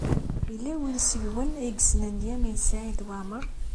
Yella win seg-nwen ay yessnen Lyamin n Saɛid Waɛmeṛ?